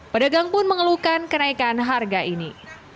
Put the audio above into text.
pada gang pun mengeluhkan kenaikan harga ini